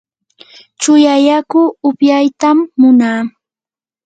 chuya yaku upyaytam munaa.